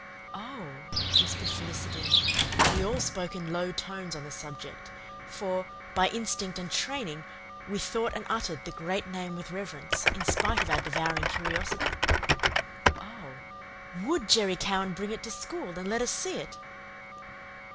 "Oh," whispered Felicity we all spoke in low tones on the subject, for, by instinct and training, we thought and uttered the Great Name with reverence, in spite of our devouring curiosity "oh, WOULD Jerry Cowan bring it to school and let us see it?"